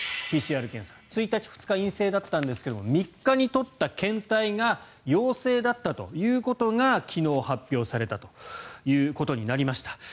１日、２日陰性だったんですが３日に採った検体が陽性だったということが昨日、発表されたということになりました。